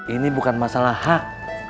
ini bukan masalah hak